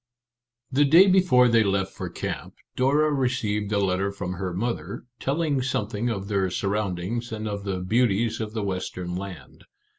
The day before they left for camp, Dora received a letter from her mother, telling some thing of their surroundings and of the beauties of the Western land.